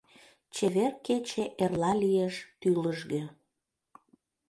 Чевер кече эрла лиеш тӱлыжгӧ.